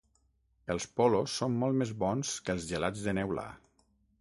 Els polos són molt més bons que els gelats de neula.